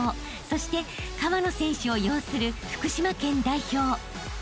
［そして川野選手を擁する福島県代表］